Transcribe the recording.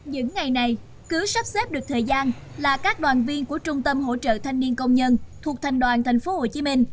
những ngày này cứ sắp xếp được thời gian là các đoàn viên của trung tâm hỗ trợ thanh niên công nhân thuộc thành đoàn tp hcm